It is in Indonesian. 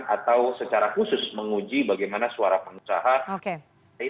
atau secara khusus menguji bagaimana suara pengusaha